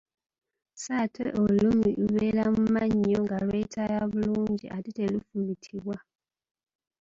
Sso ate olulimi lubeera mu mannyo nga lwetaaya bulungi ate terufumitibwa.